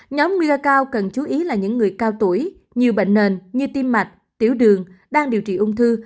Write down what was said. nhóm nguy cơ cao cần chú ý là những người cao tuổi nhiều bệnh nền như tim mạch tiểu đường đang điều trị ung thư